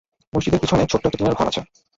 মসজিদের পিছনে-ছোট্ট একটা টিনের ঘর আছে।